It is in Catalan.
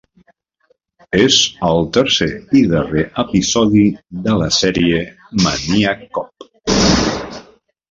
És el tercer i darrer episodi de la sèrie "Maniac Cop".